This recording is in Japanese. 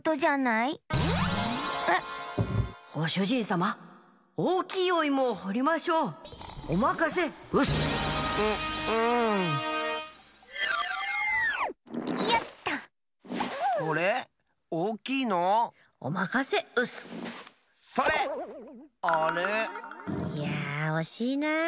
いやあおしいなあ！